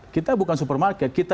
kita bukan supermarket